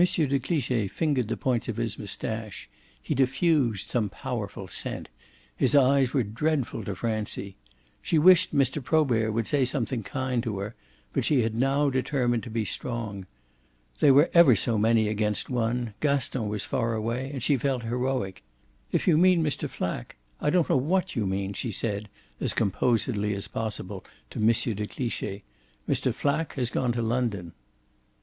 de Cliche fingered the points of his moustache; he diffused some powerful scent; his eyes were dreadful to Francie. She wished Mr. Probert would say something kind to her; but she had now determined to be strong. They were ever so many against one; Gaston was far away and she felt heroic. "If you mean Mr. Flack I don't know what you mean," she said as composedly as possible to M. de Cliche. "Mr. Flack has gone to London."